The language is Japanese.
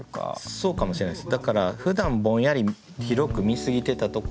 そうかもしれないです。